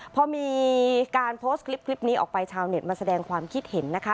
พอมีการโพสต์คลิปนี้ออกไปชาวเน็ตมาแสดงความคิดเห็นนะคะ